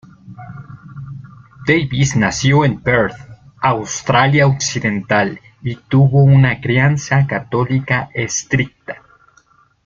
Davis nació en Perth, Australia Occidental, y tuvo una crianza católica estricta.